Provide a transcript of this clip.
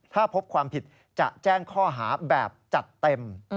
ถ้าพบความผิดจะแจ้งข้อหาแบบจัดเต็ม